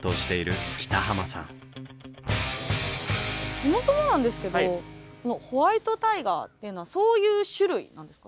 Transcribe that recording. そもそもなんですけどホワイトタイガーっていうのはそういう種類なんですか？